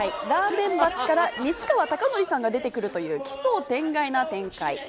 ラーメン鉢から西川貴教さんが出てくるという奇想天外な展開。